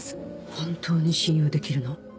本当に信用できるの？